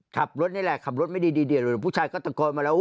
ขับรถนี่แหละขับรถไม่ดีดีเดี๋ยวผู้ชายก็ตะโกนมาแล้ว